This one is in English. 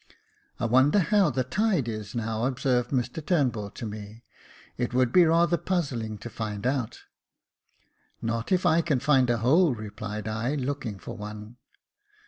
" I wonder how the tide is now," observed Mr Turnbull to me J "it would be rather puzzling to find out." " Not if I can find a hole," replied I, looking for one.